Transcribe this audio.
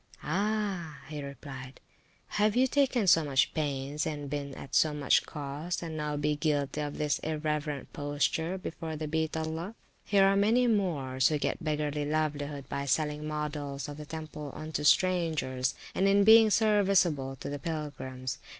Ah! replied he, have you taken so much [p.380] pains, and been at so much cost, and now be guilty of this irreverent posture before the Beat Allah? Here are many Moors, who get a beggarly livelihood by selling models of the temple unto strangers, and in being serviceable to the Pilgrims.